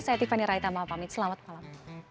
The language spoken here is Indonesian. saya tiffany raitama pamit selamat malam